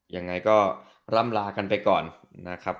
ยังไงก็ร่ำลากันไปก่อนนะครับ